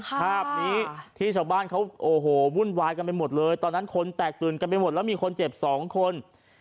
ภาพนี้ที่ชาวบ้านเขาโอ้โหวุ่นวายกันไปหมดเลยตอนนั้นคนแตกตื่นกันไปหมดแล้วมีคนเจ็บสองคน